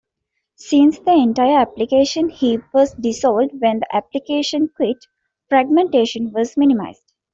Since the entire application heap was dissolved when the application quit, fragmentation was minimized.